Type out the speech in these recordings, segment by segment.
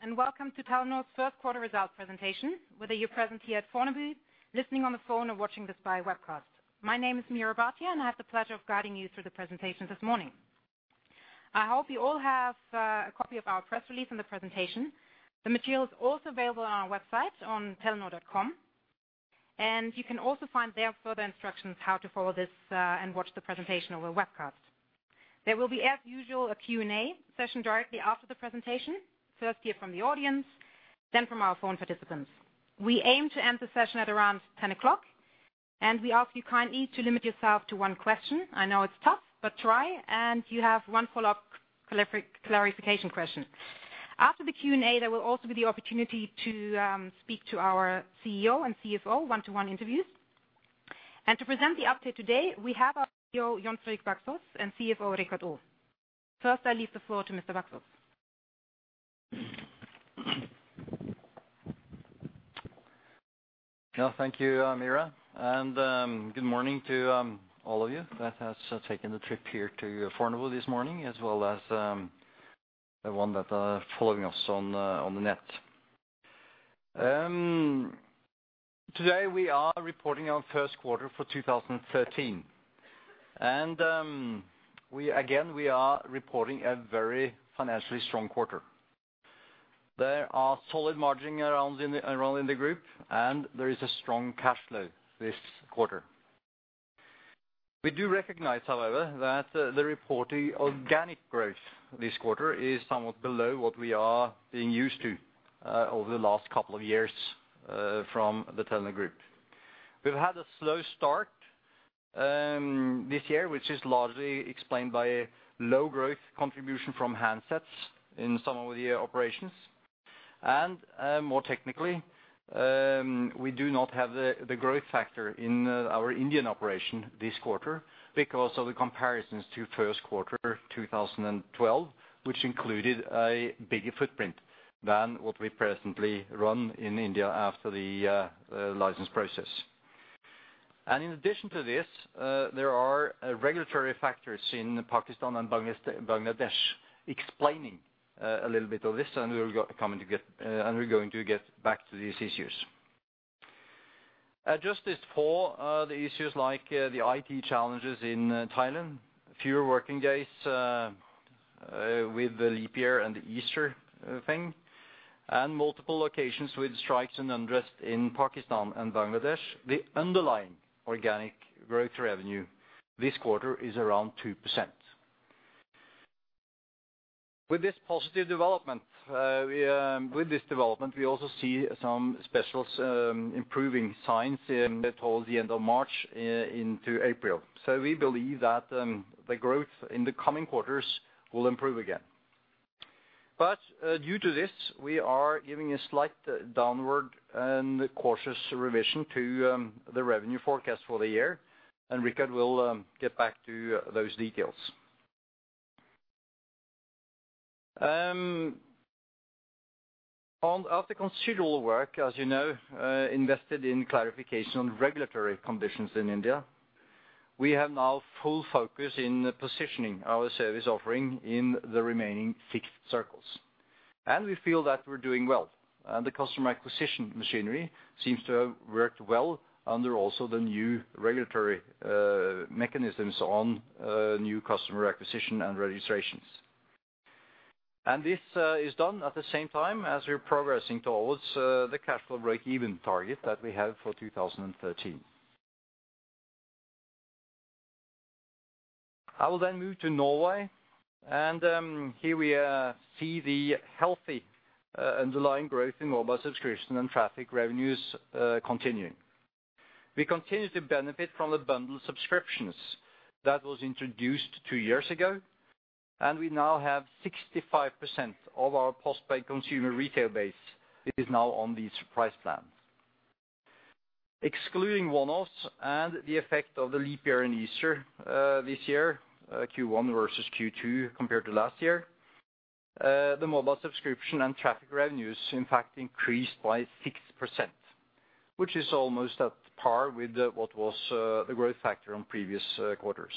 Good morning, and welcome to Telenor's first quarter results presentation, whether you're present here at Fornebu, listening on the phone or watching this by webcast. My name is Meera Bhatia, and I have the pleasure of guiding you through the presentation this morning. I hope you all have a copy of our press release and the presentation. The material is also available on our website on Telenor.com, and you can also find there further instructions how to follow this and watch the presentation over webcast. There will be, as usual, a Q and A session directly after the presentation, first here from the audience, then from our phone participants. We aim to end the session at around 10:00 A.M., and we ask you kindly to limit yourself to one question. I know it's tough, but try, and you have one follow-up clarification question. After the Q and A, there will also be the opportunity to speak to our CEO and CFO one-to-one interviews. To present the update today, we have our CEO, Jon Fredrik Baksaas, and CFO, Richard Olav Aa. First, I leave the floor to Mr. Baksaas. Yeah, thank you, Meera, and good morning to all of you that has taken the trip here to Fornebu this morning, as well as the one that are following us on the, on the net. Today, we are reporting our first quarter for 2013. We again, we are reporting a very financially strong quarter. There are solid margining around in the, around in the group, and there is a strong cash flow this quarter. We do recognize, however, that the reported organic growth this quarter is somewhat below what we are being used to over the last couple of years from the Telenor Group. We've had a slow start this year, which is largely explained by low growth contribution from handsets in some of the operations. More technically, we do not have the growth factor in our Indian operation this quarter because of the comparisons to first quarter 2012, which included a bigger footprint than what we presently run in India after the license process. In addition to this, there are regulatory factors in Pakistan and Bangladesh explaining a little bit of this, and we're going to get back to these issues. Just this fall, the issues like the IT challenges in Thailand, fewer working days with the leap year and the Easter thing, and multiple locations with strikes and unrest in Pakistan and Bangladesh. The underlying organic growth revenue this quarter is around 2%. With this positive development, with this development, we also see some specials improving signs towards the end of March into April. So we believe that the growth in the coming quarters will improve again. But due to this, we are giving a slight downward and cautious revision to the revenue forecast for the year, and Richard will get back to those details. And after considerable work, as you know, invested in clarification on regulatory conditions in India, we have now full focus in positioning our service offering in the remaining six circles. And we feel that we're doing well, and the customer acquisition machinery seems to have worked well under also the new regulatory mechanisms on new customer acquisition and registrations. This is done at the same time as we're progressing towards the cash flow break-even target that we have for 2013. I will then move to Norway, and here we see the healthy underlying growth in mobile subscription and traffic revenues continuing. We continue to benefit from the bundle subscriptions that was introduced two years ago, and we now have 65% of our postpaid consumer retail base is now on these price plans. Excluding one-offs and the effect of the leap year and Easter this year, Q1 versus Q2, compared to last year, the mobile subscription and traffic revenues, in fact, increased by 6%, which is almost at par with the what was the growth factor on previous quarters.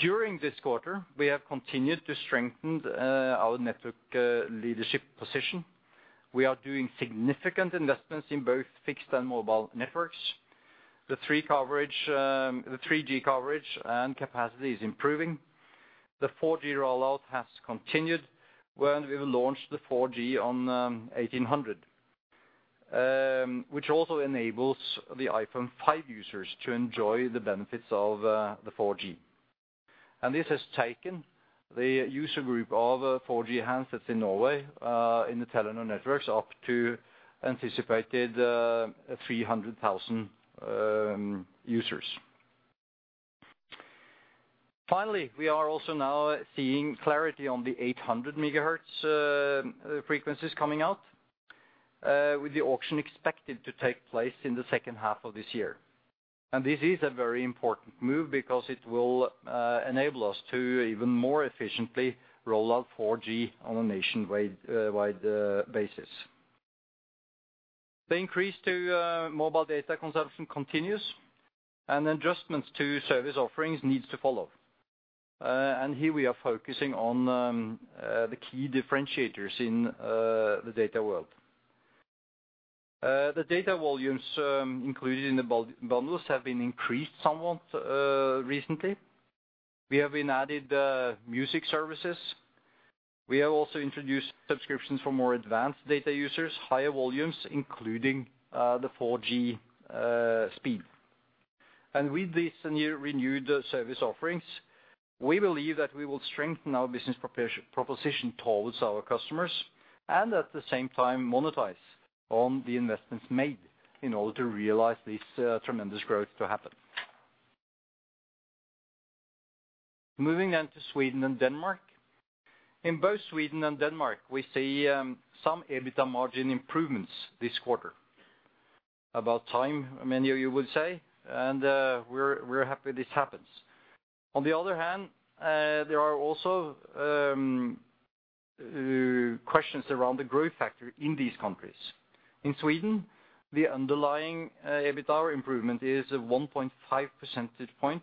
During this quarter, we have continued to strengthen our network leadership position. We are doing significant investments in both fixed and mobile networks. The 3G coverage and capacity is improving. The 4G rollout has continued when we launched the 4G on 1800, which also enables the iPhone 5 users to enjoy the benefits of the 4G. And this has taken the user group of 4G handsets in Norway in the Telenor networks, up to anticipated 300,000 users. Finally, we are also now seeing clarity on the 800 MHz frequencies coming out with the auction expected to take place in the second half of this year. This is a very important move because it will enable us to even more efficiently roll out 4G on a nationwide wide basis. The increase to mobile data consumption continues, and adjustments to service offerings needs to follow. And here we are focusing on the key differentiators in the data world. The data volumes included in the bundles have been increased somewhat recently. We have been added music services. We have also introduced subscriptions for more advanced data users, higher volumes, including the 4G speed. And with this new renewed service offerings, we believe that we will strengthen our business proposition towards our customers, and at the same time, monetize on the investments made in order to realize this tremendous growth to happen. Moving on to Sweden and Denmark. In both Sweden and Denmark, we see some EBITDA margin improvements this quarter. About time, many of you would say, and we're happy this happens. On the other hand, there are also questions around the growth factor in these countries. In Sweden, the underlying EBITDA improvement is a 1.5 percentage point.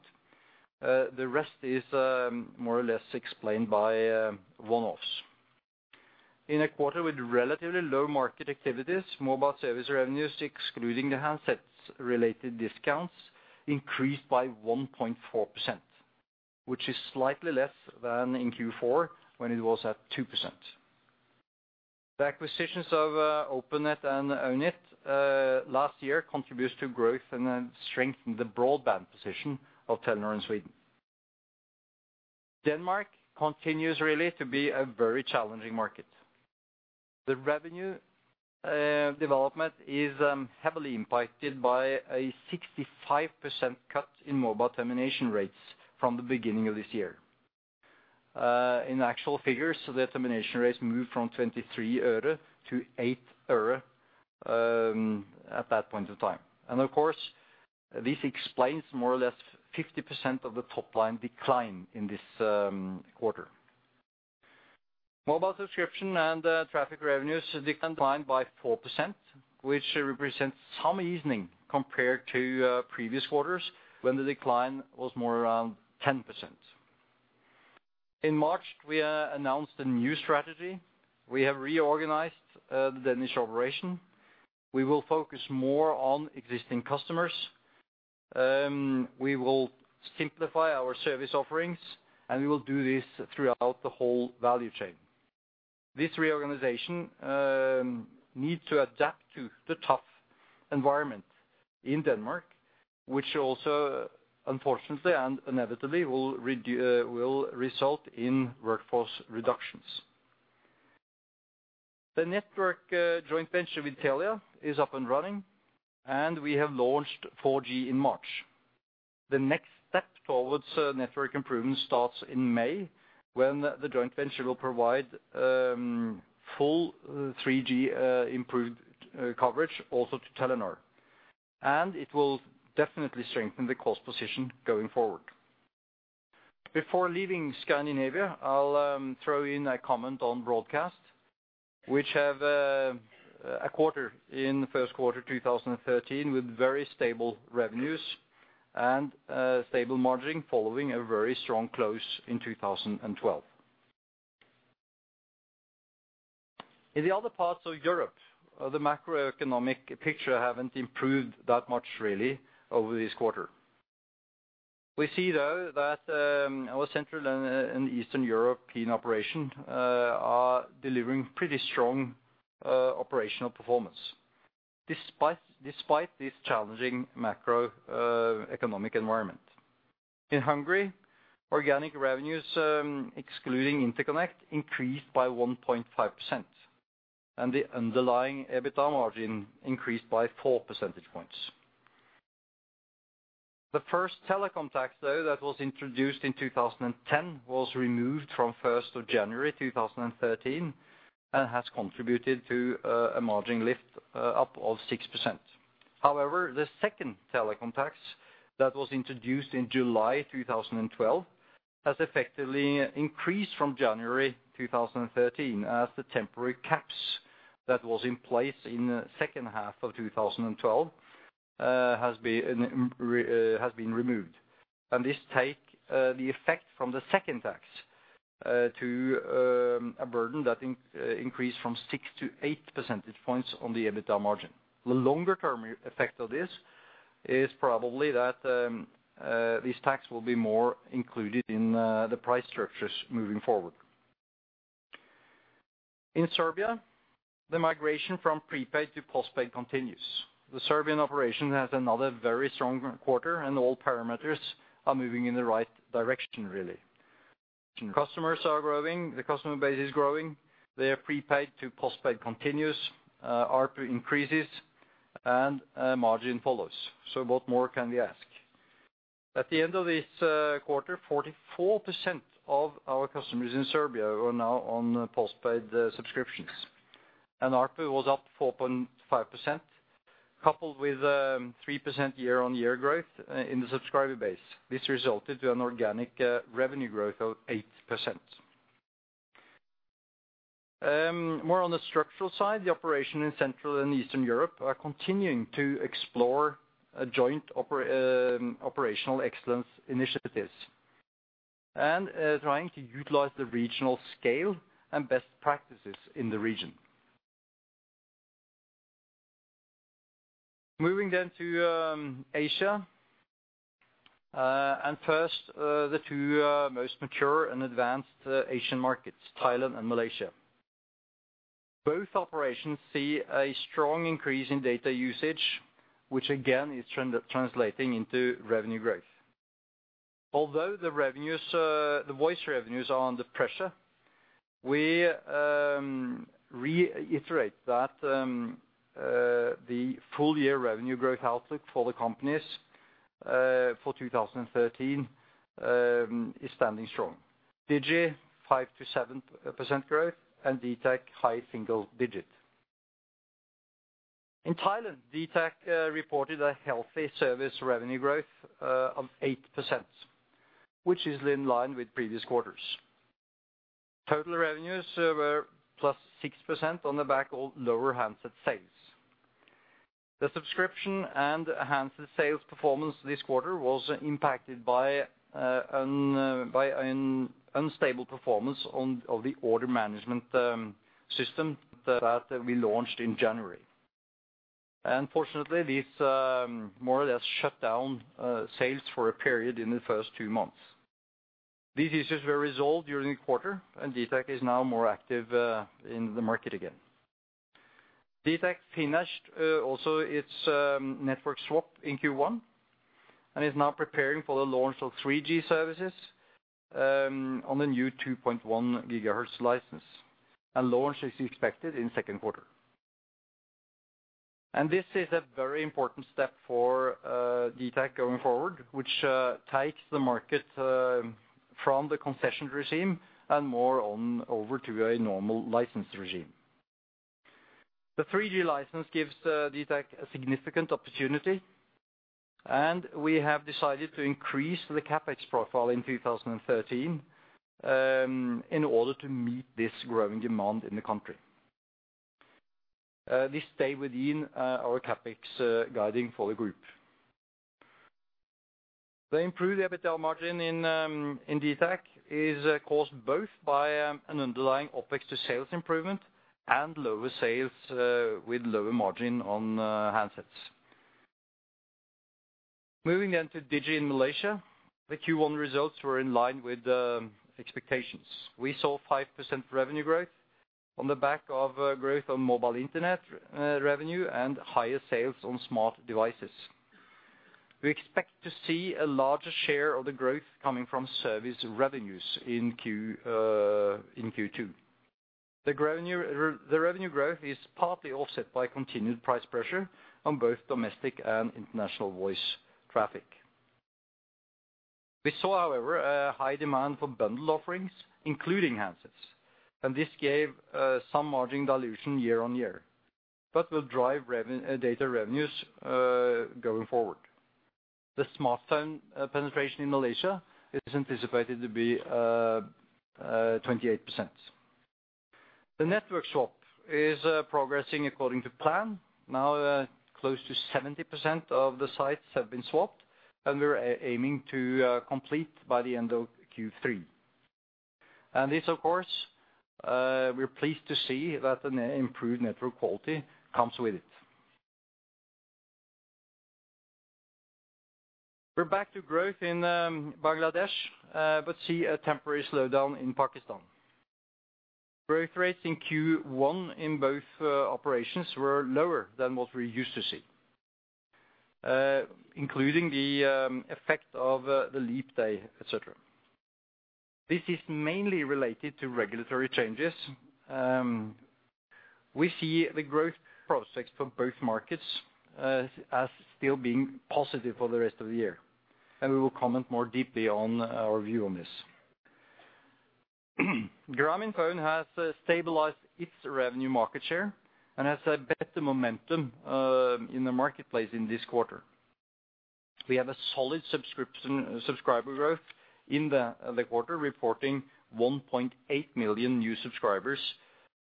The rest is more or less explained by one-offs. In a quarter with relatively low market activities, mobile service revenues, excluding the handsets-related discounts, increased by 1.4%, which is slightly less than in Q4, when it was at 2%. The acquisitions of OpenNet and Ownit last year contributes to growth and then strengthen the broadband position of Telenor in Sweden. Denmark continues really to be a very challenging market. The revenue development is heavily impacted by a 65% cut in mobile termination rates from the beginning of this year. In actual figures, the termination rates moved from 23 øre to 8 øre at that point in time. And of course, this explains more or less 50% of the top line decline in this quarter. Mobile subscription and traffic revenues declined by 4%, which represents some easing compared to previous quarters, when the decline was more around 10%. In March, we announced a new strategy. We have reorganized the Danish operation. We will focus more on existing customers. We will simplify our service offerings, and we will do this throughout the whole value chain. This reorganization need to adapt to the tough environment in Denmark, which also, unfortunately and inevitably, will result in workforce reductions. The network joint venture with Telia is up and running, and we have launched 4G in March. The next step towards network improvement starts in May, when the joint venture will provide full 3G improved coverage also to Telenor. And it will definitely strengthen the cost position going forward. Before leaving Scandinavia, I'll throw in a comment on Broadcast, which have a quarter in the first quarter, 2013, with very stable revenues and stable margining, following a very strong close in 2012. In the other parts of Europe, the macroeconomic picture haven't improved that much really over this quarter. We see, though, that our Central and Eastern European operation are delivering pretty strong operational performance, despite this challenging macroeconomic environment. In Hungary, organic revenues, excluding interconnect, increased by 1.5%, and the underlying EBITDA margin increased by four percentage points. The first telecom tax, though, that was introduced in 2010, was removed from January 1, 2013, and has contributed to a margin lift of 6%. However, the second telecom tax, that was introduced in July 2012, has effectively increased from January 2013, as the temporary caps that was in place in the second half of 2012 has been removed. This takes the effect from the second tax to a burden that increased from 6-8 percentage points on the EBITDA margin. The longer-term effect of this is probably that this tax will be more included in the price structures moving forward. In Serbia, the migration from prepaid to postpaid continues. The Serbian operation has another very strong quarter, and all parameters are moving in the right direction, really. Customers are growing, the customer base is growing. Their prepaid to postpaid continues, ARPU increases, and margin follows. So what more can we ask? At the end of this quarter, 44% of our customers in Serbia are now on postpaid subscriptions, and ARPU was up 4.5%, coupled with 3% year-on-year growth in the subscriber base. This resulted to an organic revenue growth of 8%. More on the structural side, the operation in Central and Eastern Europe are continuing to explore a joint operational excellence initiatives. And trying to utilize the regional scale and best practices in the region. Moving then to Asia and first the two most mature and advanced Asian markets, Thailand and Malaysia. Both operations see a strong increase in data usage, which again is translating into revenue growth. Although the revenues, the voice revenues are under pressure, we reiterate that the full-year revenue growth outlook for the companies for 2013 is standing strong. Digi, 5%-7% growth, and dtac, high single-digit. In Thailand, dtac reported a healthy service revenue growth of 8%, which is in line with previous quarters. Total revenues were +6% on the back of lower handset sales. The subscription and handset sales performance this quarter was impacted by an unstable performance of the order management system that we launched in January. Unfortunately, these more or less shut down sales for a period in the first two months. These issues were resolved during the quarter, and dtac is now more active in the market again. dtac finished also its network swap in Q1, and is now preparing for the launch of 3G services on the new 2.1 GHz license. A launch is expected in second quarter. This is a very important step for dtac going forward, which takes the market from the concession regime and more on over to a normal license regime. The 3G license gives dtac a significant opportunity, and we have decided to increase the CapEx profile in 2013 in order to meet this growing demand in the country. This stay within our CapEx guiding for the group. The improved EBITDA margin in dtac is caused both by an underlying OpEx to sales improvement and lower sales with lower margin on handsets. Moving on to Digi in Malaysia, the Q1 results were in line with expectations. We saw 5% revenue growth on the back of growth on mobile internet revenue, and higher sales on smart devices. We expect to see a larger share of the growth coming from service revenues in Q2. The revenue growth is partly offset by continued price pressure on both domestic and international voice traffic. We saw, however, a high demand for bundle offerings, including handsets, and this gave some margin dilution year on year, but will drive data revenues going forward. The smartphone penetration in Malaysia is anticipated to be 28%. The network swap is progressing according to plan. Now, close to 70% of the sites have been swapped, and we're aiming to complete by the end of Q3. And this, of course, we're pleased to see that an improved network quality comes with it. We're back to growth in Bangladesh, but see a temporary slowdown in Pakistan. Growth rates in Q1 in both operations were lower than what we used to see, including the effect of the Leap Day, et cetera. This is mainly related to regulatory changes. We see the growth prospects for both markets as still being positive for the rest of the year, and we will comment more deeply on our view on this. Grameenphone has stabilized its revenue market share and has a better momentum in the marketplace in this quarter. We have a solid subscriber growth in the quarter, reporting 1.8 million new subscribers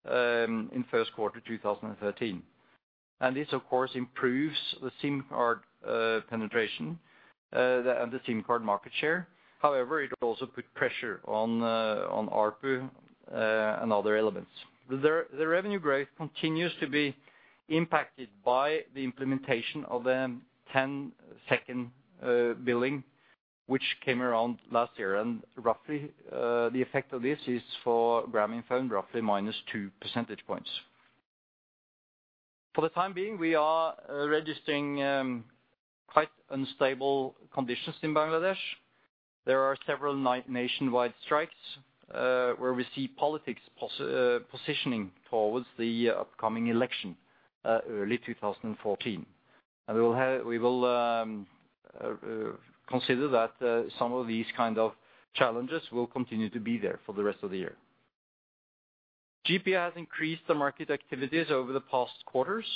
in first quarter 2013. And this, of course, improves the SIM card penetration and the SIM card market share. However, it will also put pressure on ARPU and other elements. The revenue growth continues to be impacted by the implementation of the 10-second billing, which came around last year. And roughly, the effect of this is for Grameenphone, roughly minus 2 percentage points. For the time being, we are registering quite unstable conditions in Bangladesh. There are several nationwide strikes, where we see politics positioning towards the upcoming election, early 2014. And we will have, we will consider that some of these kind of challenges will continue to be there for the rest of the year. GP has increased the market activities over the past quarters.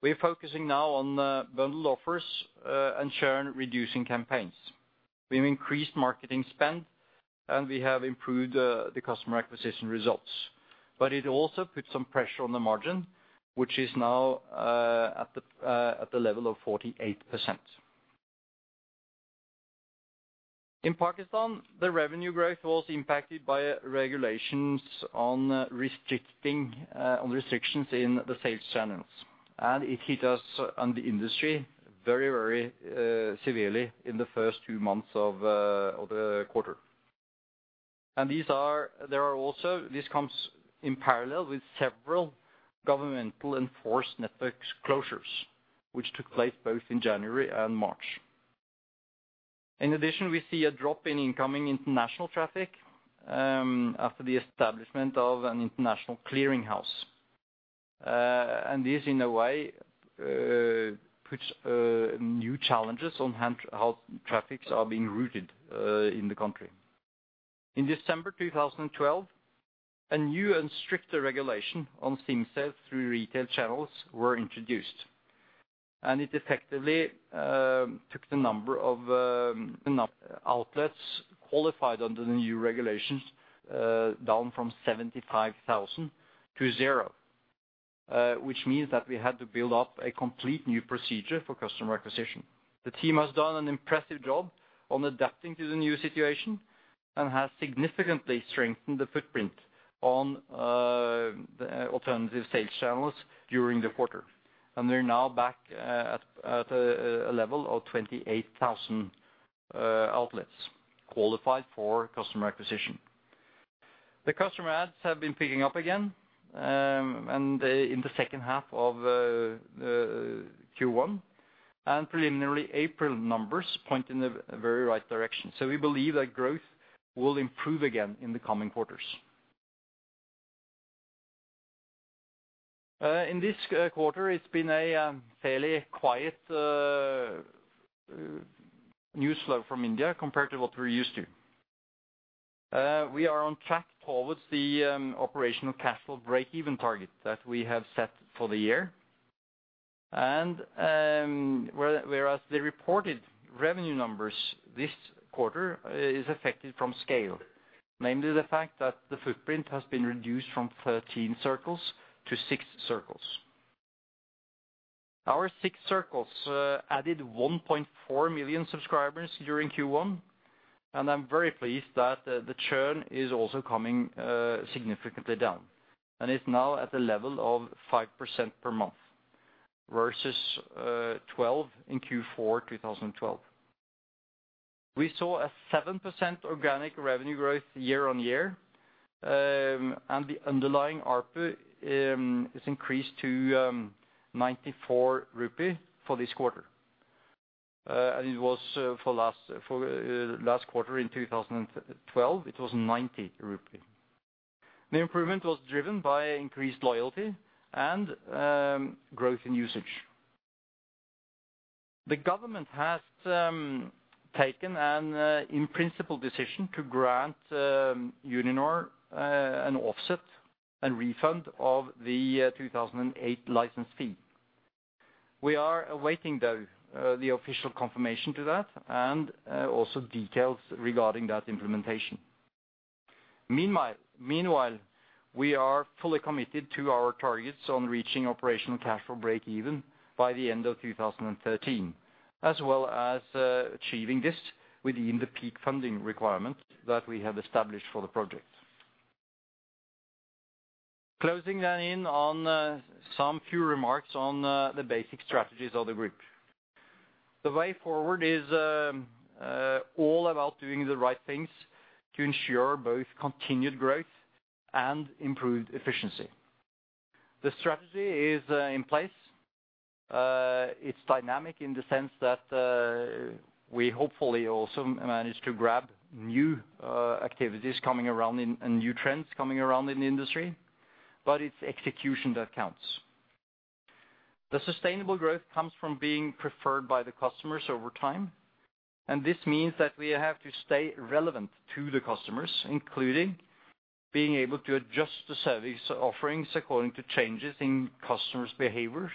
We're focusing now on bundled offers and churn reducing campaigns. We've increased marketing spend, and we have improved the customer acquisition results. But it also puts some pressure on the margin, which is now at the level of 48%. In Pakistan, the revenue growth was impacted by regulations on restrictions in the sales channels. And it hit us and the industry very, very severely in the first two months of the quarter. And there are also, this comes in parallel with several governmental enforced network closures, which took place both in January and March. In addition, we see a drop in incoming international traffic after the establishment of an International Clearing House. And this, in a way, puts new challenges on hand, how traffic is being routed in the country. In December 2012, a new and stricter regulation on SIM sales through retail channels were introduced, and it effectively took the number of outlets qualified under the new regulations down from 75,000 to zero. Which means that we had to build up a complete new procedure for customer acquisition. The team has done an impressive job on adapting to the new situation and has significantly strengthened the footprint on the alternative sales channels during the quarter. And we're now back at a level of 28,000 outlets qualified for customer acquisition. The customer adds have been picking up again and in the second half of Q1, and preliminarily, April numbers point in the very right direction. So we believe that growth will improve again in the coming quarters. In this quarter, it's been a fairly quiet news flow from India compared to what we're used to. We are on track towards the operational cash flow breakeven target that we have set for the year. Whereas the reported revenue numbers this quarter is affected from scale, namely the fact that the footprint has been reduced from 13 circles to six circles. Our six circles added 1.4 million subscribers during Q1, and I'm very pleased that the churn is also coming significantly down. It's now at the level of 5% per month versus 12 in Q4 2012. We saw a 7% organic revenue growth year-on-year, and the underlying ARPU is increased to 94 rupee for this quarter. And it was for last quarter in 2012, it was 90 rupees. The improvement was driven by increased loyalty and growth in usage. The government has taken an in-principle decision to grant Uninor an offset and refund of the 2008 license fee. We are awaiting, though, the official confirmation to that and also details regarding that implementation. Meanwhile, we are fully committed to our targets on reaching operational cash flow breakeven by the end of 2013, as well as achieving this within the peak funding requirement that we have established for the project. Closing that in on some few remarks on the basic strategies of the group. The way forward is all about doing the right things to ensure both continued growth and improved efficiency. The strategy is in place. It's dynamic in the sense that we hopefully also manage to grab new activities coming around and new trends coming around in the industry, but it's execution that counts. The sustainable growth comes from being preferred by the customers over time, and this means that we have to stay relevant to the customers, including being able to adjust the service offerings according to changes in customers' behaviors,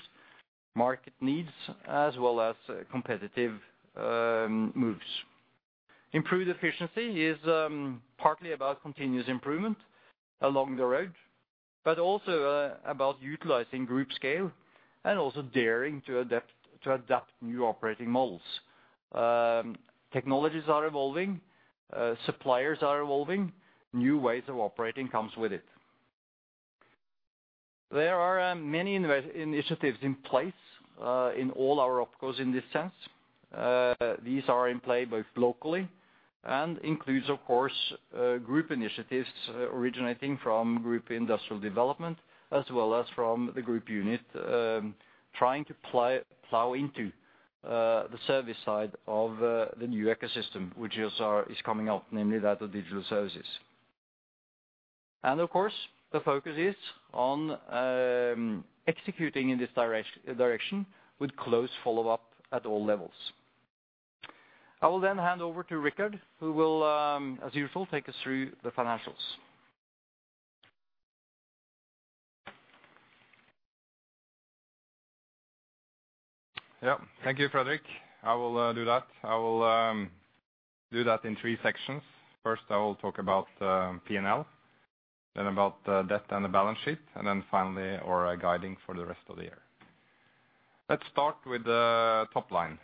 market needs, as well as competitive moves. Improved efficiency is partly about continuous improvement along the road, but also about utilizing group scale and also daring to adapt, to adopt new operating models. Technologies are evolving, suppliers are evolving, new ways of operating comes with it. There are many initiatives in place in all our OpCos in this sense. These are in play both locally and includes, of course, group initiatives originating from group industrial development as well as from the group unit, trying to plow into the service side of the new ecosystem, which is coming out, namely that of digital services. And of course, the focus is on executing in this direction with close follow-up at all levels. I will then hand over to Richard, who will, as usual, take us through the financials. Yeah. Thank you, Fredrik. I will do that. I will do that in three sections. First, I will talk about P&L, then about the debt and the balance sheet, and then finally, our guidance for the rest of the year. Let's start with the top line.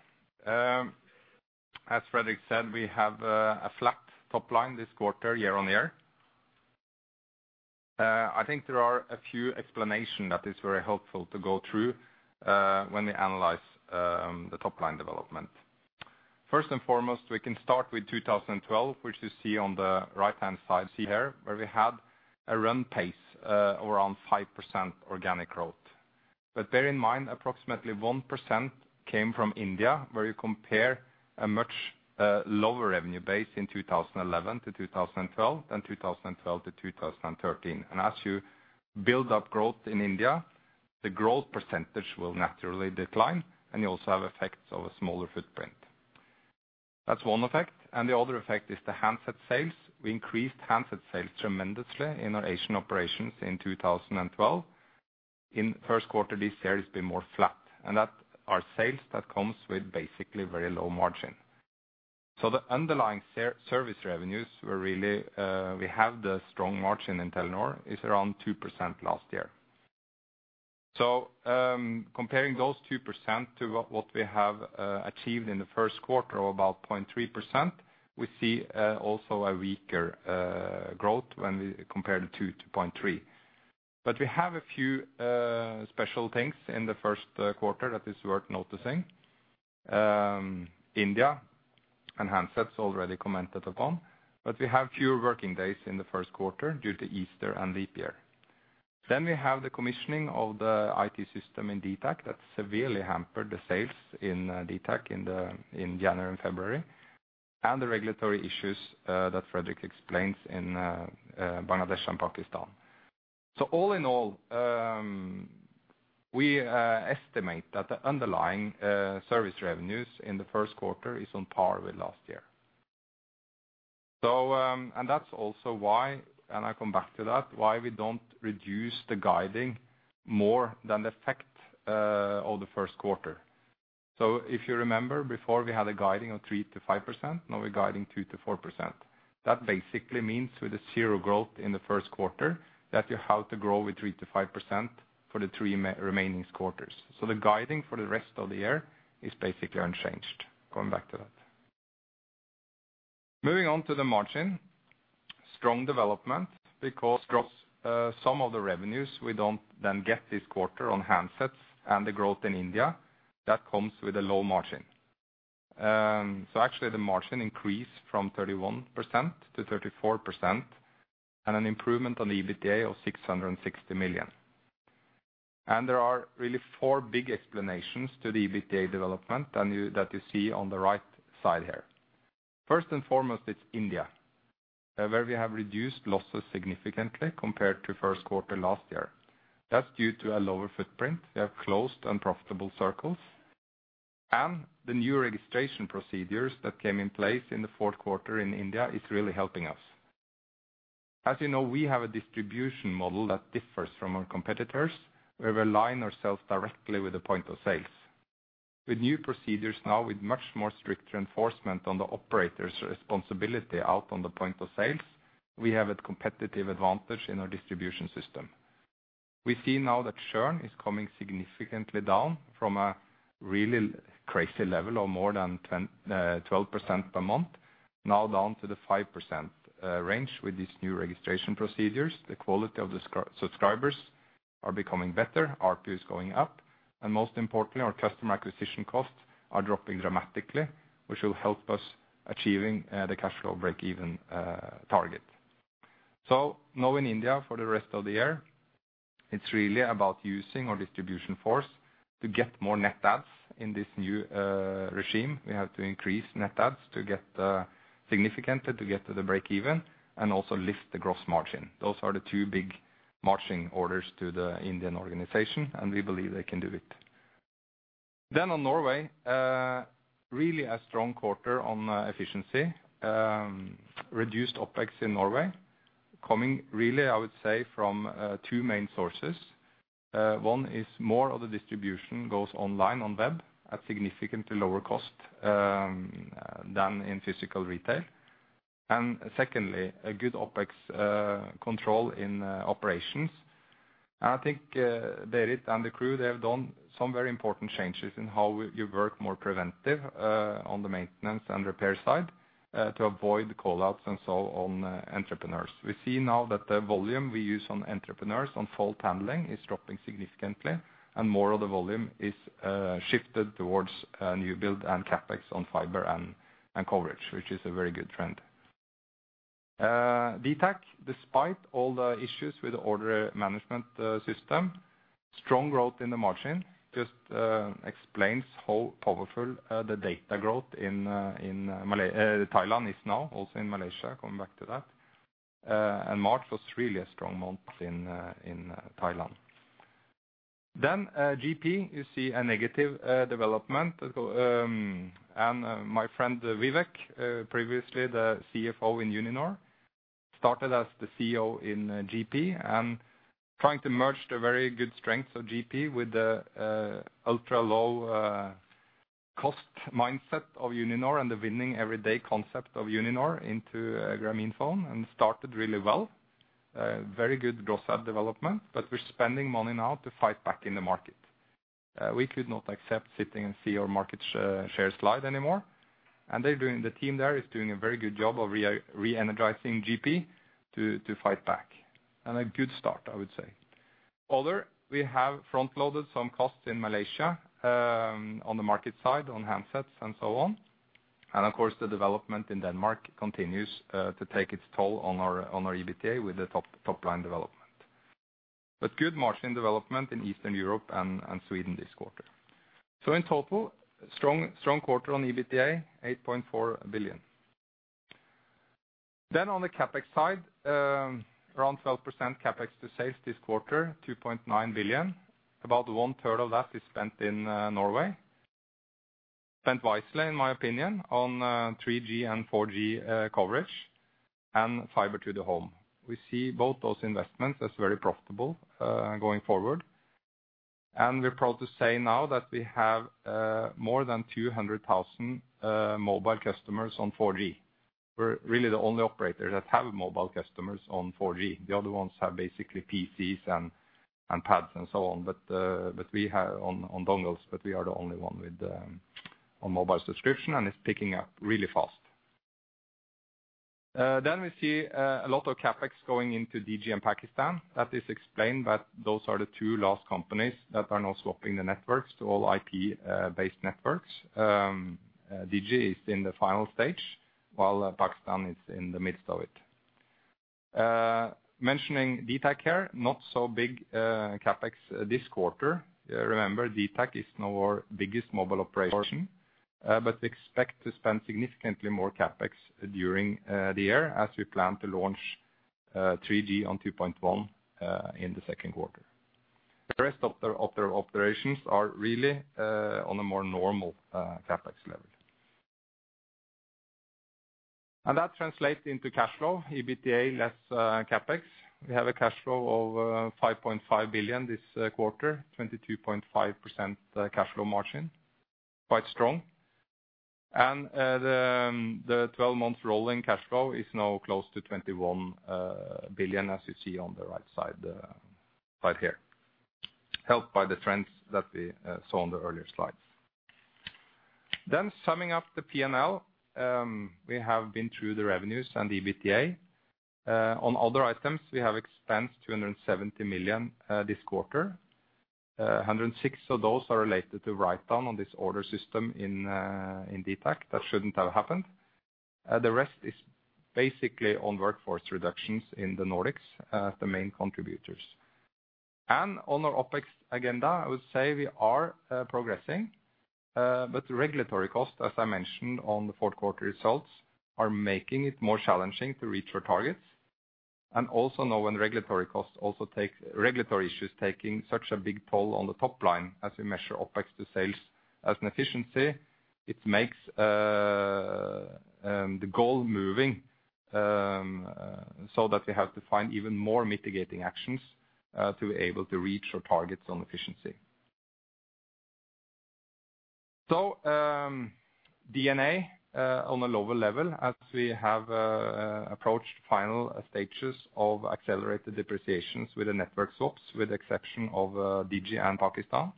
As Fredrik said, we have a flat top line this quarter, year-on-year. I think there are a few explanations that are very helpful to go through when we analyze the top-line development. First and foremost, we can start with 2012, which you see on the right-hand side, see here, where we had a run pace around 5% organic growth. But bear in mind, approximately 1% came from India, where you compare a much lower revenue base in 2011 to 2012 than 2012 to 2013. And as you build up growth in India, the growth percentage will naturally decline, and you also have effects of a smaller footprint. That's one effect, and the other effect is the handset sales. We increased handset sales tremendously in our Asian operations in 2012. In first quarter, these sales have been more flat, and those are sales that come with basically very low margin. So the underlying service revenues were really strong. The margin in Telenor is around 2% last year. So, comparing those 2% to what we have achieved in the first quarter, or about 0.3%, we see also a weaker growth when we compare the 2% to 0.3%. But we have a few special things in the first quarter that is worth noticing. India and handsets already commented upon, but we have fewer working days in the first quarter due to Easter and leap year. Then we have the commissioning of the IT system in dtac that severely hampered the sales in dtac in January and February, and the regulatory issues that Fredrik explains in Bangladesh and Pakistan. So all in all, we estimate that the underlying service revenues in the first quarter is on par with last year. So, and that's also why, and I come back to that, why we don't reduce the guidance more than the effect of the first quarter. So if you remember, before, we had a guidance of 3%-5%, now we're guiding 2%-4%. That basically means with a zero growth in the first quarter, that you have to grow with 3%-5% for the three remaining quarters. So the guidance for the rest of the year is basically unchanged, going back to that. Moving on to the margin, strong development because gross, some of the revenues, we don't then get this quarter on handsets and the growth in India, that comes with a low margin. So actually, the margin increased from 31% to 34%, and an improvement in the EBITDA of 660 million. There are really four big explanations to the EBITDA development, and that you see on the right side here. First and foremost, it's India, where we have reduced losses significantly compared to first quarter last year. That's due to a lower footprint. We have closed unprofitable circles, and the new registration procedures that came in place in the fourth quarter in India is really helping us. As you know, we have a distribution model that differs from our competitors, where we align ourselves directly with the point of sales. With new procedures now, with much more strict enforcement on the operators' responsibility out on the point of sales, we have a competitive advantage in our distribution system. We see now that churn is coming significantly down from a really crazy level of more than 12% per month, now down to the 5% range with these new registration procedures. The quality of the subscribers are becoming better, RPU is going up, and most importantly, our customer acquisition costs are dropping dramatically, which will help us achieving the cash flow break-even target. So now in India, for the rest of the year, it's really about using our distribution force to get more net adds in this new regime. We have to increase net adds to get significantly to get to the break even and also lift the gross margin. Those are the two big marching orders to the Indian organization, and we believe they can do it. On Norway, really a strong quarter on efficiency. Reduced OpEx in Norway, coming really, I would say, from two main sources. One is more of the distribution goes online, on web, at significantly lower cost than in physical retail. Secondly, a good OpEx control in operations. I think Berit and the crew, they have done some very important changes in how we you work more preventive on the maintenance and repair side to avoid call-outs and so on, entrepreneurs. We see now that the volume we use on entrepreneurs, on fault handling, is dropping significantly, and more of the volume is shifted towards new build and CapEx on fiber and and coverage, which is a very good trend. dtac, despite all the issues with the order management system, strong growth in the margin, just explains how powerful the data growth in Thailand is now, also in Malaysia, coming back to that. And March was really a strong month in Thailand. Then, GP, you see a negative development. And, my friend, Vivek, previously the CFO in Uninor, started as the CEO in GP, and trying to merge the very good strengths of GP with the ultra-low cost mindset of Uninor and the winning everyday concept of Uninor into Grameenphone, and started really well. Very good gross add development, but we're spending money now to fight back in the market. We could not accept sitting and see our market share slide anymore, and they're doing the team there is doing a very good job of re-energizing GP to fight back, and a good start, I would say. Other, we have front-loaded some costs in Malaysia, on the market side, on handsets and so on. And, of course, the development in Denmark continues to take its toll on our EBITDA with the top line development. But good margin development in Eastern Europe and Sweden this quarter. So in total, strong quarter on EBITDA, 8.4 billion. Then on the CapEx side, around 12% CapEx to sales this quarter, 2.9 billion. About one third of that is spent in Norway. Spent wisely, in my opinion, on 3G and 4G coverage and fiber to the home. We see both those investments as very profitable going forward, and we're proud to say now that we have more than 200,000 mobile customers on 4G. We're really the only operator that have mobile customers on 4G. The other ones have basically PCs and, and pads, and so on, but, but we have on, on dongles, but we are the only one with on mobile subscription, and it's picking up really fast. Then we see a lot of CapEx going into Digi and Pakistan. That is explained, but those are the two last companies that are now swapping the networks to all IP based networks. Digi is in the final stage, while Pakistan is in the midst of it. Mentioning dtac here, not so big CapEx this quarter. Remember, dtac is now our biggest mobile operation, but expect to spend significantly more CapEx during the year as we plan to launch 3G on 2.1 in the second quarter. The rest of the operations are really on a more normal CapEx level. And that translates into cash flow, EBITDA, less CapEx. We have a cash flow of 5.5 billion this quarter, 22.5% cash flow margin. Quite strong. And the 12 month rolling cash flow is now close to 21 billion, as you see on the right side right here, helped by the trends that we saw on the earlier slides. Then summing up the P&L, we have been through the revenues and EBITDA. On other items, we have expensed 270 million this quarter. 106 of those are related to write down on this order system in dtac. That shouldn't have happened. The rest is basically on workforce reductions in the Nordics, the main contributors. On our OpEx agenda, I would say we are progressing, but regulatory costs, as I mentioned on the fourth quarter results, are making it more challenging to reach our targets. Also, when regulatory costs also take regulatory issues taking such a big toll on the top line as we measure OpEx to sales as an efficiency, it makes the goal moving, so that we have to find even more mitigating actions to be able to reach our targets on efficiency. So, D&A on a lower level as we have approached final stages of accelerated depreciations with the network swaps, with the exception of Digi and Pakistan.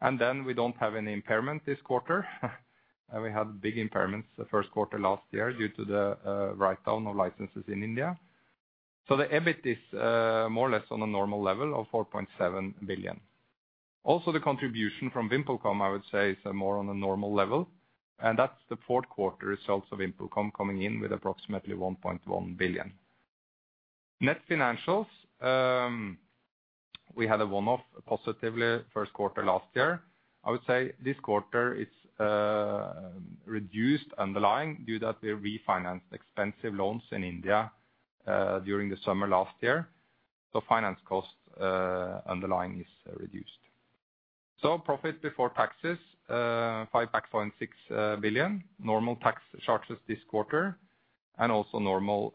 And then we don't have any impairment this quarter, and we had big impairments the first quarter last year due to the write down of licenses in India. So the EBIT is more or less on a normal level of 4.7 billion. Also, the contribution from VimpelCom, I would say, is more on a normal level, and that's the fourth quarter results of VimpelCom coming in with approximately 1.1 billion. Net financials, we had a one-off positively first quarter last year. I would say this quarter it's reduced underlying due that we refinanced expensive loans in India during the summer last year. So finance cost underlying is reduced. So profit before taxes, 5.6 billion, normal tax charges this quarter, and also normal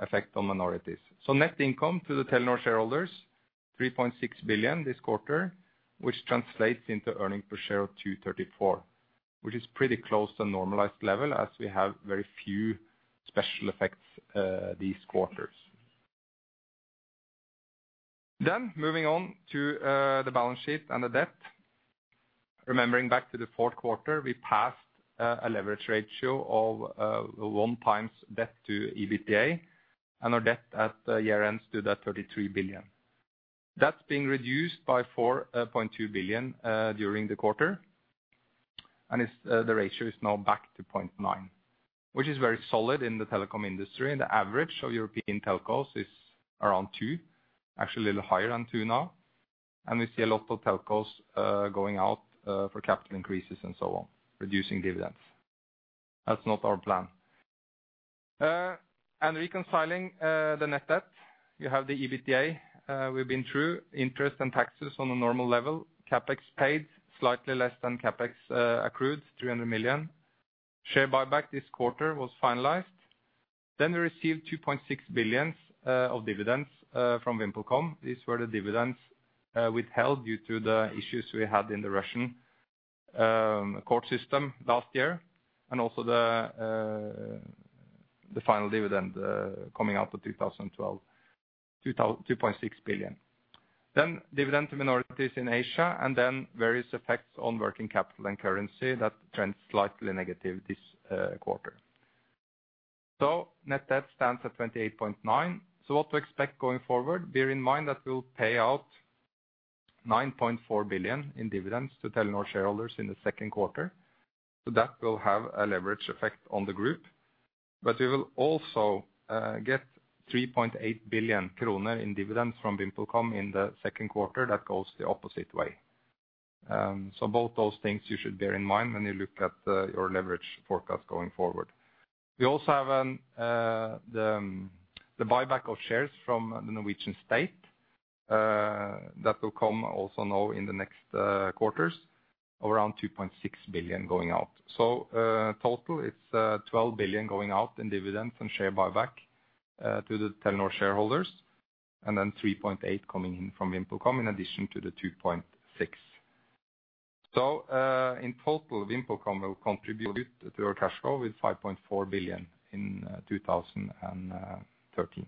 effect on minorities. So net income to the Telenor shareholders, 3.6 billion this quarter, which translates into earnings per share of 2.34, which is pretty close to normalized level as we have very few special effects these quarters. Then, moving on to the balance sheet and the debt. Remembering back to the fourth quarter, we passed a leverage ratio of 1x debt to EBITDA, and our debt at year-end stood at 33 billion. That's being reduced by 4.2 billion during the quarter, and it's the ratio is now back to 0.9, which is very solid in the telecom industry. The average of European Telcos is around two, actually a little higher than two now, and we see a lot of Telcos going out for capital increases and so on, reducing dividends. That's not our plan. And reconciling the net debt, you have the EBITDA. We've been through interest and taxes on a normal level. CapEx paid slightly less than CapEx accrued 300 million. Share buyback this quarter was finalized. Then we received 2.6 billion of dividends from VimpelCom. These were the dividends withheld due to the issues we had in the Russian court system last year, and also the final dividend coming out of 2012, 2.6 billion. Then dividend to minorities in Asia, and then various effects on working capital and currency that turned slightly negative this quarter. So net debt stands at 28.9. So what to expect going forward? Bear in mind that we'll pay out 9.4 billion in dividends to Telenor shareholders in the second quarter, so that will have a leverage effect on the group. But we will also get 3.8 billion kroner in dividends from VimpelCom in the second quarter. That goes the opposite way. So both those things you should bear in mind when you look at your leverage forecast going forward. We also have the buyback of shares from the Norwegian state that will come also now in the next quarters, around 2.6 billion going out. Total, it's 12 billion going out in dividends and share buyback to the Telenor shareholders, and then 3.8 billion coming in from VimpelCom, in addition to the 2.6 billion. In total, VimpelCom will contribute to our cash flow with 5.4 billion in 2013.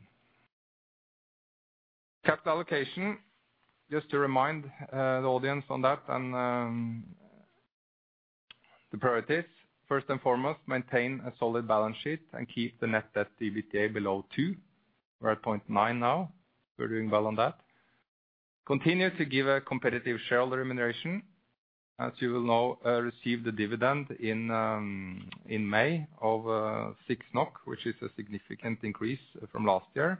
Capital allocation, just to remind the audience on that and the priorities, first and foremost, maintain a solid balance sheet and keep the net debt EBITDA below 2. We're at 0.9 now. We're doing well on that. Continue to give a competitive shareholder remuneration, as you will now receive the dividend in May of 6 NOK which is a significant increase from last year.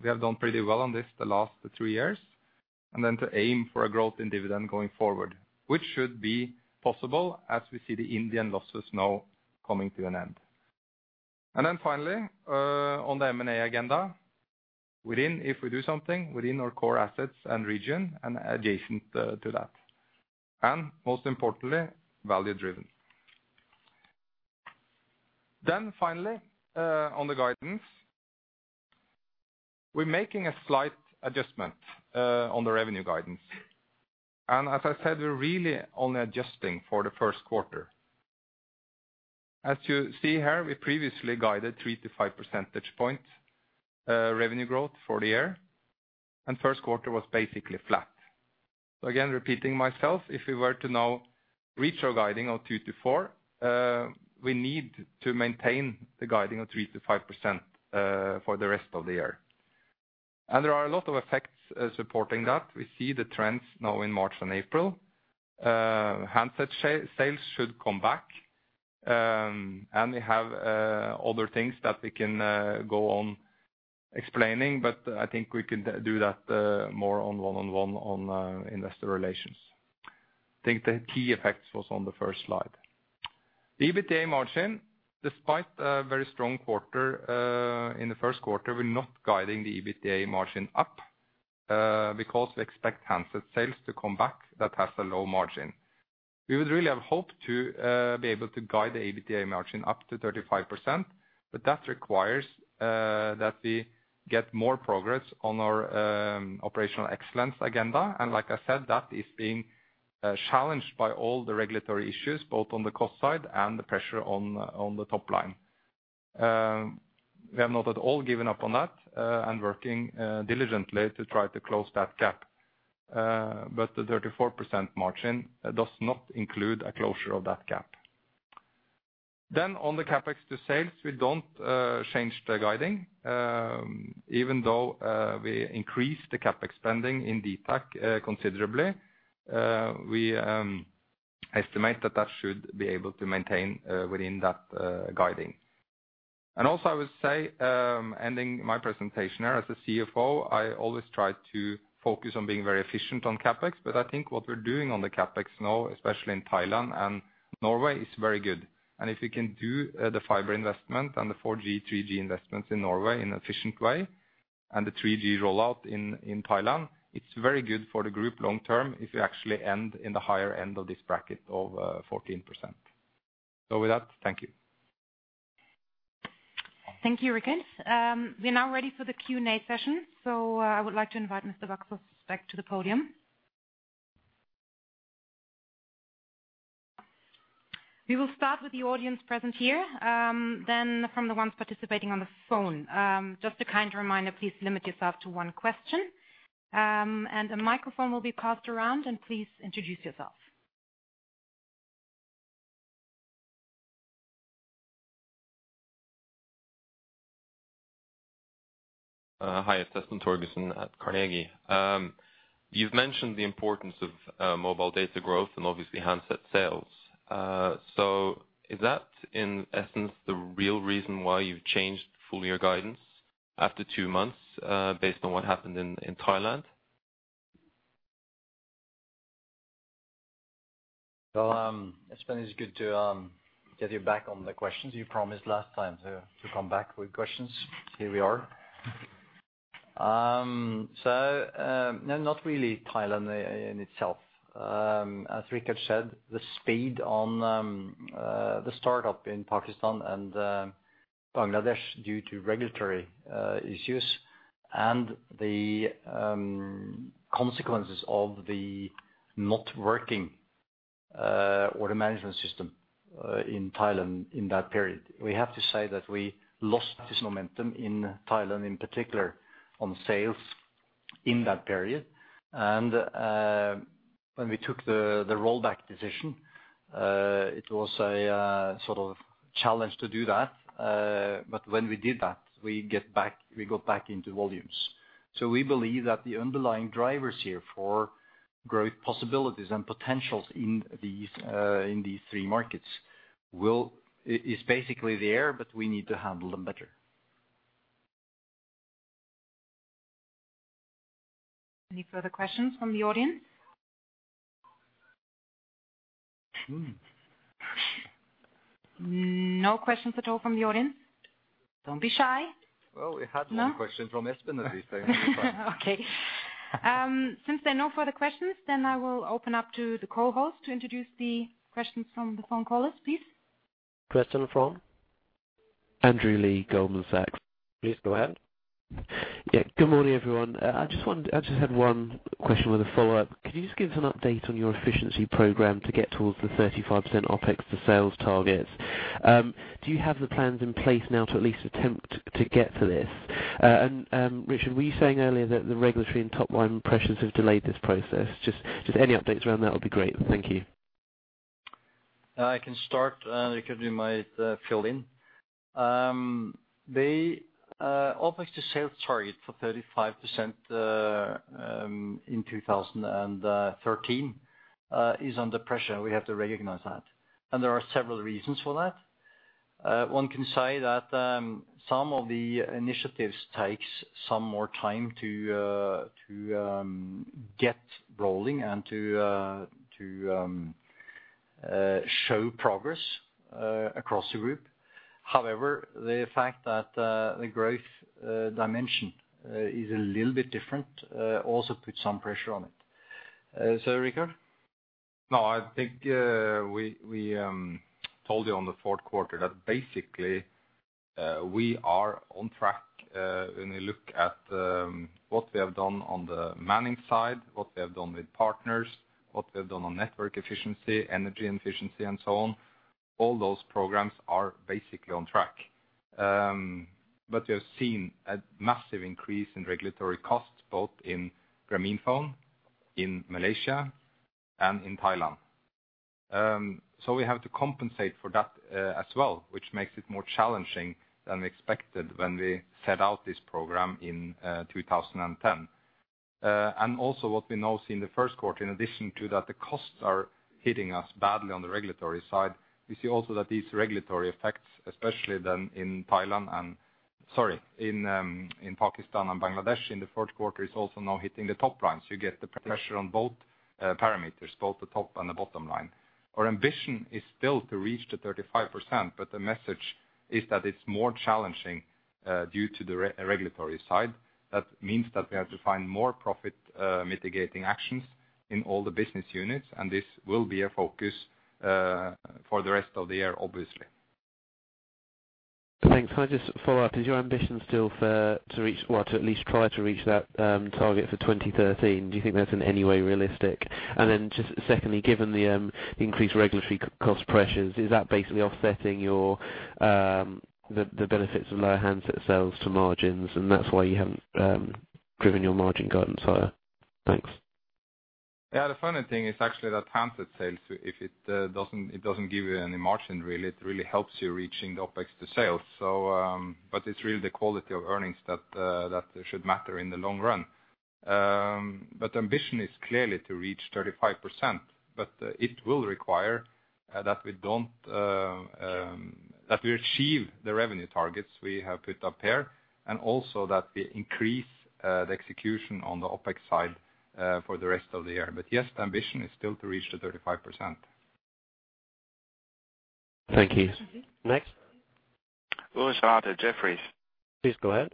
We have done pretty well on this the last three years. And then to aim for a growth in dividend going forward, which should be possible as we see the Indian losses now coming to an end. And then finally, on the M&A agenda, within, if we do something, within our core assets and region and adjacent, to that, and most importantly, value driven. Then finally, on the guidance, we're making a slight adjustment, on the revenue guidance. And as I said, we're really only adjusting for the first quarter. As you see here, we previously guided 3-5 percentage points revenue growth for the year, and first quarter was basically flat. So again, repeating myself, if we were to now reach our guiding of 2-4, we need to maintain the guiding of 3%-5% for the rest of the year. There are a lot of effects supporting that. We see the trends now in March and April. Handset sales should come back, and we have other things that we can go on explaining, but I think we can do that more on one-on-one on investor relations. I think the key effects was on the first slide. The EBITDA margin, despite a very strong quarter in the first quarter, we're not guiding the EBITDA margin up because we expect handset sales to come back that has a low margin. We would really have hoped to be able to guide the EBITDA margin up to 35%, but that requires that we get more progress on our operational excellence agenda. And like I said, that is being challenged by all the regulatory issues, both on the cost side and the pressure on the top line. We have not at all given up on that and working diligently to try to close that gap. But the 34% margin does not include a closure of that gap. Then on the CapEx to sales, we don't change the guiding even though we increase the CapEx spending in dtac considerably, we estimate that that should be able to maintain within that guiding. And also, I would say, ending my presentation here as a CFO, I always try to focus on being very efficient on CapEx, but I think what we're doing on the CapEx now, especially in Thailand and Norway, is very good. If we can do the fiber investment and the 4G, 3G investments in Norway in an efficient way, and the 3G rollout in Thailand, it's very good for the group long term if we actually end in the higher end of this bracket of 14%. With that, thank you. Thank you, Richard. We are now ready for the Q and A session, so I would like to invite Mr. Baksaas back to the podium. We will start with the audience present here, then from the ones participating on the phone. Just a kind reminder, please limit yourself to one question, and a microphone will be passed around, and please introduce yourself. Hi, it's Espen Torgersen at Carnegie. You've mentioned the importance of mobile data growth and obviously handset sales. So is that, in essence, the real reason why you've changed full year guidance after two months, based on what happened in, in Thailand? Well, it's been, it's good to get you back on the questions. You promised last time to come back with questions. Here we are. So, no, not really Thailand in itself. As Richard said, the speed on the startup in Pakistan and Bangladesh, due to regulatory issues and the consequences of the not working order management system in Thailand in that period. We have to say that we lost this momentum in Thailand, in particular, on sales in that period. And when we took the rollback decision, it was a sort of challenge to do that. But when we did that, we got back into volumes. So we believe that the underlying drivers here for growth possibilities and potentials in these three markets will, it is basically there, but we need to handle them better. Any further questions from the audience? No questions at all from the audience? Don't be shy. Well, we had one question from Espen, at least. Okay. Since there are no further questions, then I will open up to the co-host to introduce the questions from the phone callers, please. Question from Andrew Lee, Goldman Sachs. Please go ahead. Yeah. Good morning, everyone. I just had one question with a follow-up. Could you just give us an update on your efficiency program to get towards the 35% OpEx to sales targets? Do you have the plans in place now to at least attempt to get to this? And, Richard, were you saying earlier that the regulatory and top line pressures have delayed this process? Just, just any updates around that will be great. Thank you. I can start, you can do my fill in. The OpEx to sales target for 35% in 2013 is under pressure. We have to recognize that, and there are several reasons for that. One can say that some of the initiatives takes some more time to get rolling and to show progress across the group. However, the fact that the growth dimension is a little bit different also puts some pressure on it. So, Richard? No, I think, we told you on the fourth quarter that basically, we are on track. When we look at what we have done on the manning side, what we have done with partners, what we have done on network efficiency, energy efficiency, and so on, all those programs are basically on track. But we have seen a massive increase in regulatory costs, both in Grameenphone, in Malaysia, and in Thailand. So we have to compensate for that, as well, which makes it more challenging than we expected when we set out this program in 2010. And also what we now see in the first quarter, in addition to that, the costs are hitting us badly on the regulatory side. We see also that these regulatory effects, especially in Pakistan and Bangladesh, in the fourth quarter, is also now hitting the top line. So you get the pressure on both parameters, both the top and the bottom line. Our ambition is still to reach 35%, but the message is that it's more challenging due to the regulatory side. That means that we have to find more profit mitigating actions in all the business units, and this will be a focus for the rest of the year, obviously. Thanks. Can I just follow up? Is your ambition still for, to reach, well, to at least try to reach that, target for 2013? Do you think that's in any way realistic? And then just secondly, given the, increased regulatory cost pressures, is that basically offsetting your, the, the benefits of lower handset sales to margins, and that's why you haven't, driven your margin guidance higher? Thanks. Yeah, the funny thing is actually that handset sales, if it doesn't, it doesn't give you any margin, really. It really helps you reaching the OpEx to sales. So, but it's really the quality of earnings that should matter in the long run. But ambition is clearly to reach 35%, but it will require that we don't, that we achieve the revenue targets we have put up here, and also that we increase the execution on the OpEx side for the rest of the year. But yes, the ambition is still to reach the 35%. Thank you. Next? Ulrich Rathe Jefferies. Please go ahead.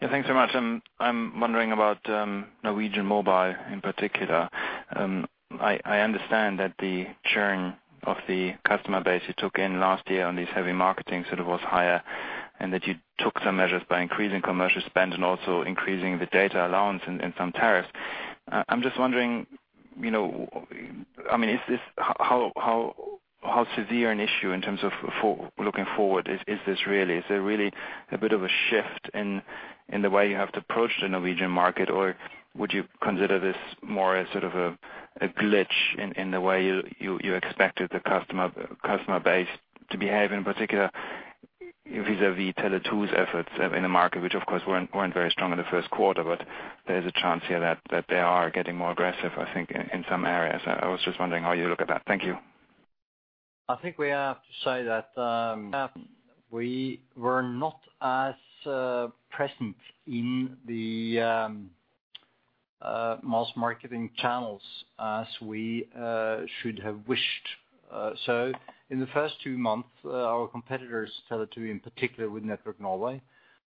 Yeah, thanks so much. I'm wondering about Norwegian Mobile in particular. I understand that the churn of the customer base you took in last year on this heavy marketing sort of was higher, and that you took some measures by increasing commercial spend and also increasing the data allowance and some tariffs. I'm just wondering, you know, I mean, is this how severe an issue in terms of looking forward is this really? Is there really a bit of a shift in the way you have to approach the Norwegian market, or would you consider this more as sort of a glitch in the way you expected the customer base to behave, in particular, vis-à-vis Telenor's efforts in the market, which of course, weren't very strong in the first quarter, but there's a chance here that they are getting more aggressive, I think, in some areas. I was just wondering how you look at that. Thank you. I think we have to say that, we were not as, present in the, mass marketing channels as we, should have wished. So in the first two months, our competitors, Tele2, in particular with Network Norway,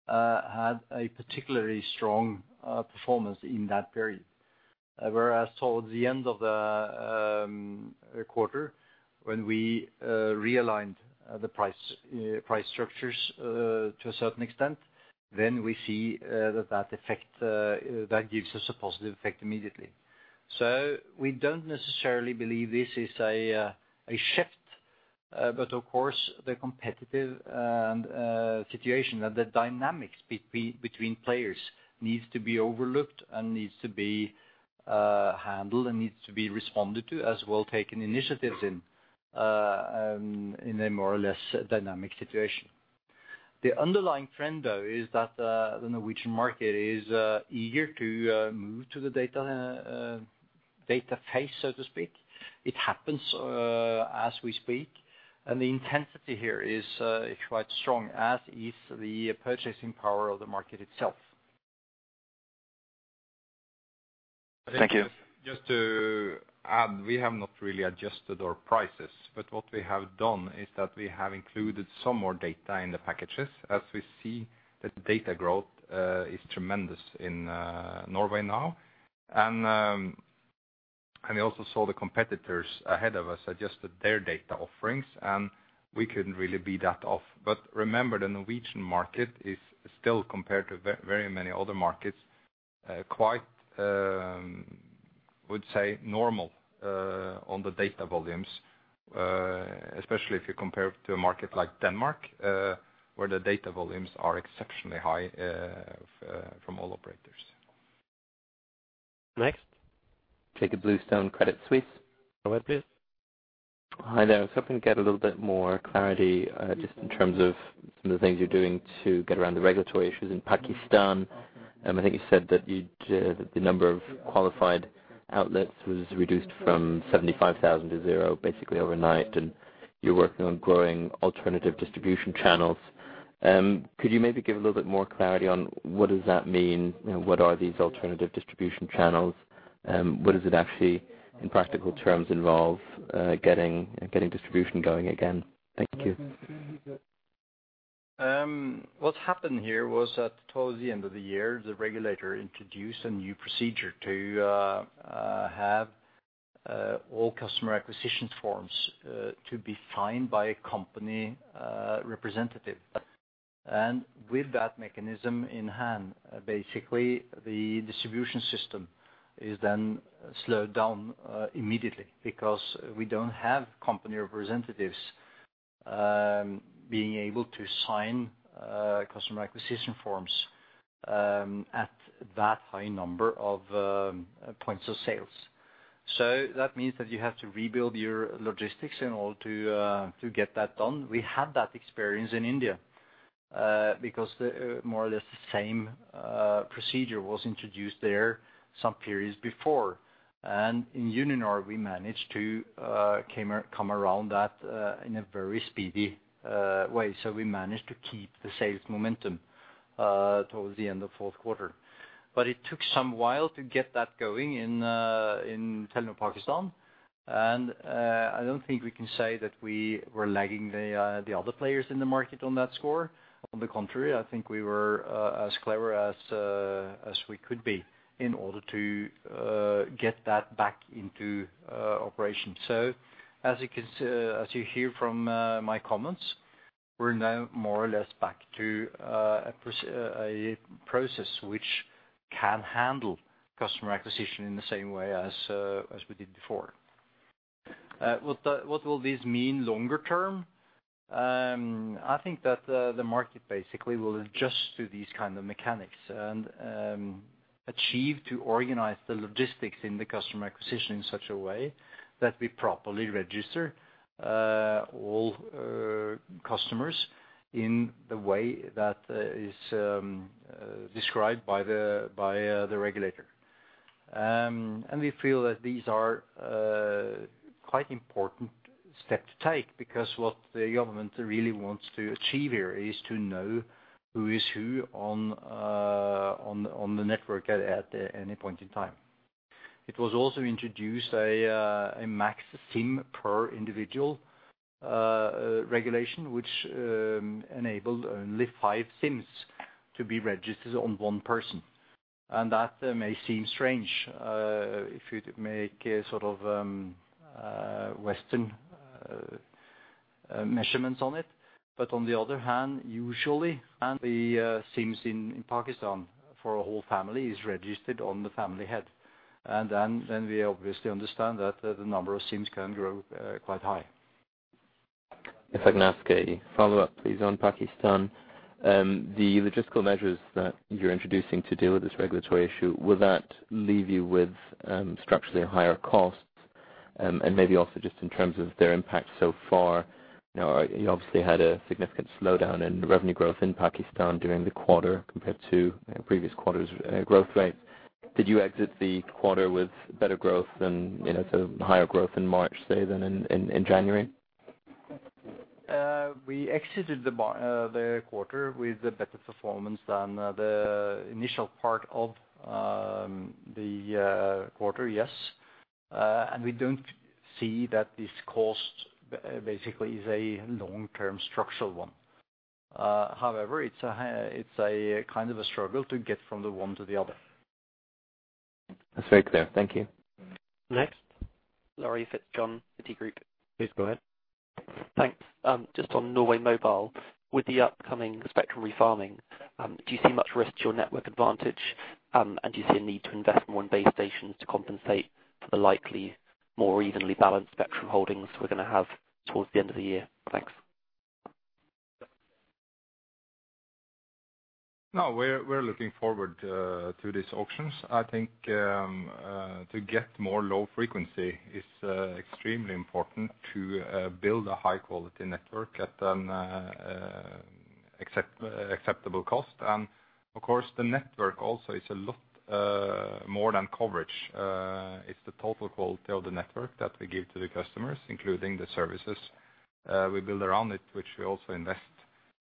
had a particularly strong, performance in that period. Whereas towards the end of the, quarter, when we, realigned the price, price structures, to a certain extent, then we see, that, that effect, that gives us a positive effect immediately. So we don't necessarily believe this is a, a shift, but of course, the competitive, situation and the dynamics between players needs to be overlooked and needs to be, handled, and needs to be responded to, as well taking initiatives in, in a more or less dynamic situation. The underlying trend, though, is that the Norwegian market is eager to move to the data phase, so to speak. It happens as we speak, and the intensity here is quite strong, as is the purchasing power of the market itself. Thank you. Just to add, we have not really adjusted our prices, but what we have done is that we have included some more data in the packages, as we see that data growth is tremendous in Norway now. And we also saw the competitors ahead of us adjusted their data offerings, and we couldn't really be that off. But remember, the Norwegian market is still compared to very many other markets, quite, I would say, normal, on the data volumes, especially if you compare it to a market like Denmark, where the data volumes are exceptionally high, from all operators. Next? Jakob Bluestone, Credit Suisse. Go ahead, please. Hi there. I was hoping to get a little bit more clarity, just in terms of some of the things you're doing to get around the regulatory issues in Pakistan. I think you said that you, that the number of qualified outlets was reduced from 75,000 to zero, basically overnight, and you're working on growing alternative distribution channels. Could you maybe give a little bit more clarity on what does that mean? What are these alternative distribution channels? What does it actually, in practical terms, involve, getting distribution going again? Thank you. What happened here was that towards the end of the year, the regulator introduced a new procedure to have all customer acquisition forms to be signed by a company representative. And with that mechanism in hand, basically, the distribution system is then slowed down immediately, because we don't have company representatives being able to sign customer acquisition forms at that high number of points of sales. So that means that you have to rebuild your logistics in order to to get that done. We had that experience in India, because the, more or less, the same procedure was introduced there some periods before. And in Uninor, we managed to come around that in a very speedy way. So we managed to keep the sales momentum towards the end of fourth quarter. But it took some while to get that going in in Telenor Pakistan, and I don't think we can say that we were lagging the other players in the market on that score. On the contrary, I think we were as clever as we could be in order to get that back into operation. So as you hear from my comments, we're now more or less back to a process which can handle customer acquisition in the same way as we did before. What will this mean longer term? I think that the market basically will adjust to these kind of mechanics and achieve to organize the logistics in the customer acquisition in such a way that we properly register all customers in the way that is described by the regulator. And we feel that these are quite important step to take, because what the government really wants to achieve here is to know who is who on the network at any point in time. It was also introduced a max SIM per individual regulation, which enabled only five SIMs to be registered on one person. That may seem strange if you make a sort of Western measurements on it. But on the other hand, usually, and the SIMs in Pakistan for a whole family is registered on the family head. And then we obviously understand that the number of SIMs can grow quite high. If I can ask a follow-up, please, on Pakistan. The logistical measures that you're introducing to deal with this regulatory issue, will that leave you with structurally higher costs? And maybe also just in terms of their impact so far, you know, you obviously had a significant slowdown in revenue growth in Pakistan during the quarter compared to previous quarters, growth rate. Did you exit the quarter with better growth than, you know, so higher growth in March, say, than in, in January? We exited the quarter with a better performance than the initial part of the quarter, yes. And we don't see that this cost basically is a long-term structural one. However, it's a kind of a struggle to get from the one to the other. That's very clear. Thank you. Next? Laurie Fitzjohn, Citigroup. Please go ahead. Thanks. Just on Norway Mobile, with the upcoming spectrum refarming, do you see much risk to your network advantage? Do you see a need to invest more in base stations to compensate for the likely more evenly balanced spectrum holdings we're gonna have towards the end of the year? Thanks. No, we're looking forward to these auctions. I think to get more low frequency is extremely important to build a high quality network at an acceptable cost. And of course, the network also is a lot more than coverage. It's the total quality of the network that we give to the customers, including the services we build around it, which we also invest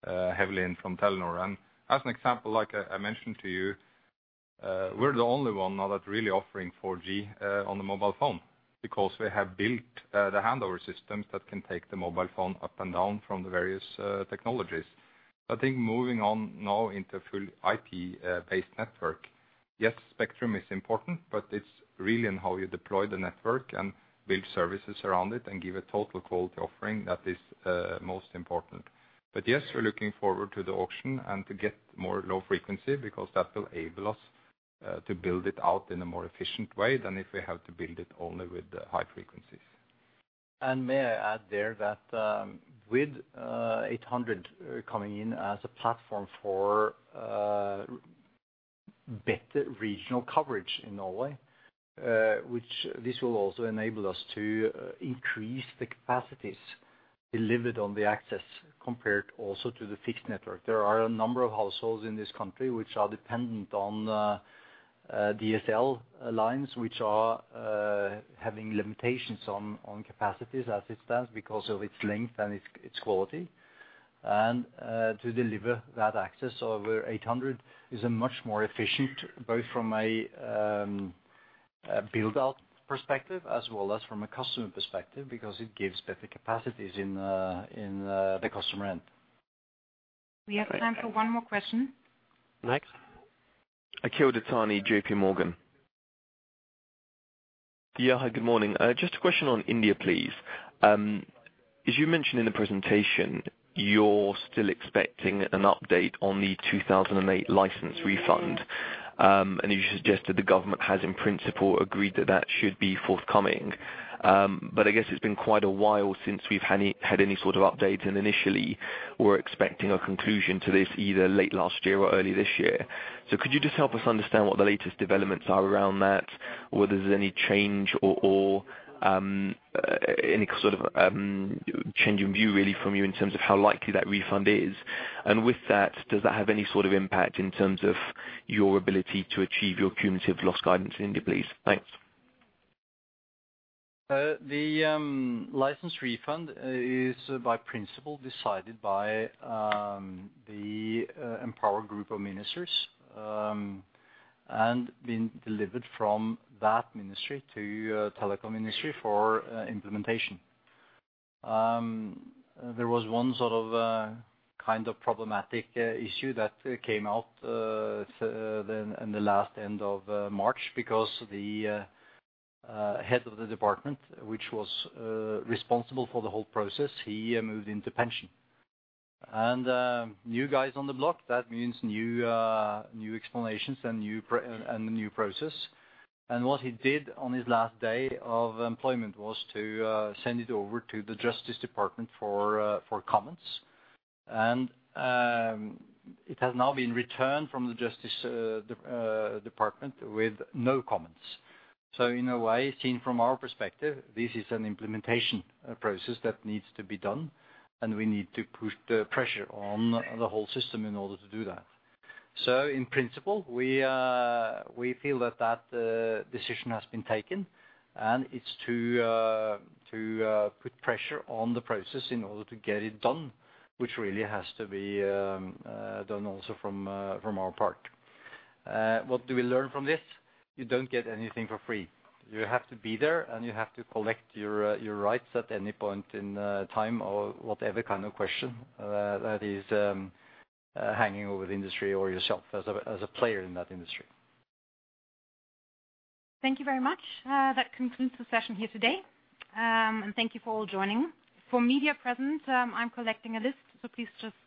heavily in from Telenor. And as an example, like I mentioned to you, we're the only one now that's really offering 4G on the mobile phone. Because we have built the handover systems that can take the mobile phone up and down from the various technologies. I think moving on now into full IP-based network, yes, spectrum is important, but it's really in how you deploy the network and build services around it, and give a total quality offering that is most important. But yes, we're looking forward to the auction and to get more low frequency, because that will enable us to build it out in a more efficient way than if we have to build it only with the high frequencies. And may I add there that, with 800 coming in as a platform for better regional coverage in Norway, which this will also enable us to increase the capacities delivered on the access compared also to the fixed network. There are a number of households in this country which are dependent on DSL lines, which are having limitations on capacities as it stands because of its length and its quality. And to deliver that access over 800 is a much more efficient, both from a build-out perspective as well as from a customer perspective, because it gives better capacities in the customer end. We have time for one more question. Next. Akhil Dattani, JPMorgan. Yeah, hi, good morning. Just a question on India, please. As you mentioned in the presentation, you're still expecting an update on the 2008 license refund. And you suggested the government has, in principle, agreed that that should be forthcoming. But I guess it's been quite a while since we've had any sort of update, and initially, we were expecting a conclusion to this either late last year or early this year. So could you just help us understand what the latest developments are around that? Or whether there's any change or any sort of change in view, really, from you in terms of how likely that refund is? And with that, does that have any sort of impact in terms of your ability to achieve your cumulative loss guidance in India, please? Thanks. The license refund is by principle decided by the Empowered Group of Ministers and being delivered from that ministry to telecom industry for implementation. There was one sort of kind of problematic issue that came out in the last end of March, because the head of the department, which was responsible for the whole process, he moved into pension. And new guys on the block, that means new explanations and a new process. And what he did on his last day of employment was to send it over to the Justice Department for comments. And it has now been returned from the Justice Department with no comments. So in a way, seen from our perspective, this is an implementation process that needs to be done, and we need to put the pressure on the whole system in order to do that. So in principle, we feel that decision has been taken, and it's to put pressure on the process in order to get it done, which really has to be done also from our part. What do we learn from this? You don't get anything for free. You have to be there, and you have to collect your rights at any point in time or whatever kind of question that is hanging over the industry or yourself as a player in that industry. Thank you very much. That concludes the session here today. Thank you for all joining. For media present, I'm collecting a list, so please just